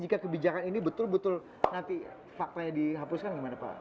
kalau bijakan ini betul betul nanti fakta dihapuskan bagaimana pak